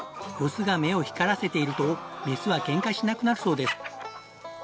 オスが目を光らせているとメスはケンカしなくなるそうです。